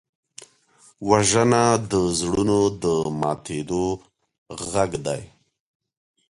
وژنه د زړونو د ماتېدو غږ دی